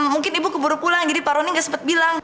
mungkin ibu keburu pulang jadi paroni gak sempat bilang